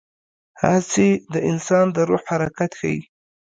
هڅې د انسان د روح حرکت ښيي.